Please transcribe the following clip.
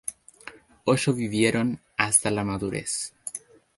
Ocho vivieron hasta la madurez.